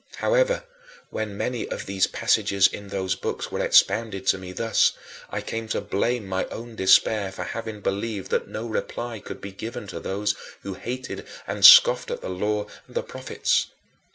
However, when many of these passages in those books were expounded to me thus, I came to blame my own despair for having believed that no reply could be given to those who hated and scoffed at the Law and the Prophets.